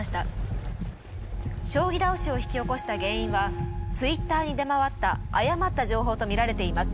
将棋倒しを引き起こした原因はツイッターに出回った誤った情報と見られています。